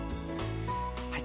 はい。